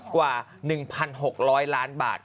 กว่า๑๖๐๐ล้านบาท